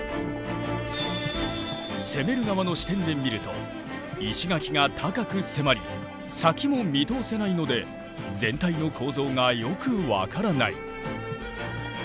攻める側の視点で見ると石垣が高く迫り先も見通せないので全体の構造がよく分からない。